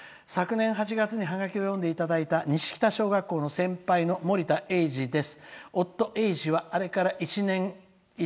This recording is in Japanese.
昨年８月ハガキを読んでいただいた西北小学校の先輩のもりたえいじです。